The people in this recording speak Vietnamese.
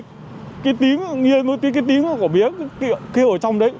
cái tiếng nghe cái tiếng của bé cứ kêu ở trong đấy